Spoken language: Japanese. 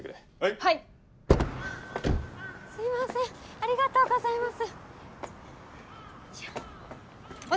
はいすみませんありがとうございます。